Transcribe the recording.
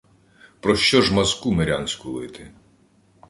Про що ж мазку мирянську лити?